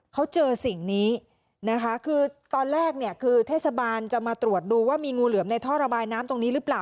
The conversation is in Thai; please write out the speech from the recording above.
เขาเจอสิ่งนี้นะคะคือตอนแรกเนี่ยคือเทศบาลจะมาตรวจดูว่ามีงูเหลือมในท่อระบายน้ำตรงนี้หรือเปล่า